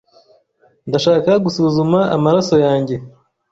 Ndashaka gusuzuma amaraso yanjye.